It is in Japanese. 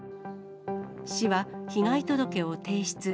市は被害届を提出。